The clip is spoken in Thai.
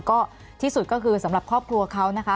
ก็ที่สุดก็คือสำหรับครอบครัวเขานะคะ